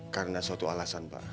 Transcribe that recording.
karena suatu alasan pak